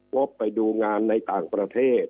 งบไปดูงานในต่างประเทศ